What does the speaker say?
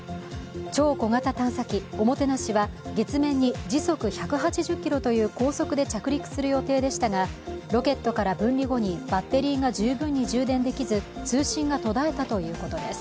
超小型探査機ＯＭＯＴＥＮＡＳＨＩは月面に時速１８０キロという高速で着陸する予定でしたが、ロケットから分離後にバッテリーが十分に充電できず通信が途絶えたということです。